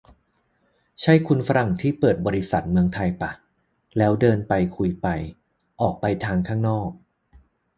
ใช่คุณฝรั่งที่เปิดบริษัทเมืองไทยป่ะ แล้วเดินไปคุยไป ออกไปทางข้างนอก